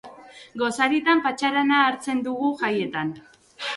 Gosaritan patxarana hartzen dugu jaietan.